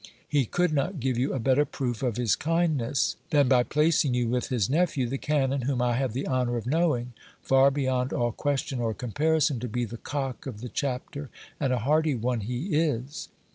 He could not give . you a better proof of his kindness, than bv placing you with his nephew the canon, whom I have the honour of knowing, far beyond all question or comparison, to be the cock of the chapter, and a hearty one he is.